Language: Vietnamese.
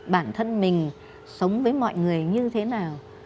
bản thân mình sống với mọi người như thế nào